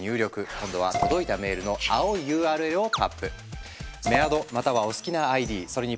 今度は届いたメールの青いＵＲＬをタップ。